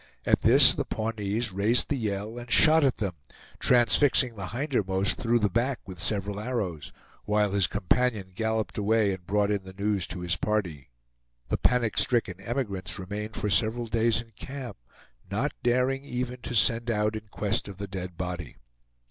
At this the Pawnees raised the yell and shot at them, transfixing the hindermost through the back with several arrows, while his companion galloped away and brought in the news to his party. The panic stricken emigrants remained for several days in camp, not daring even to send out in quest of the dead body.